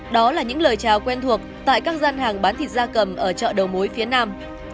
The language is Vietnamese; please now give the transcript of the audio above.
đó là những lời chào quen thuộc tại các gian hàng bán thịt da cầm ở chợ đầu mối phía nam